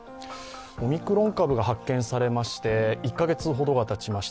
オミクロン株が発見されまして１カ月ほどがたちました。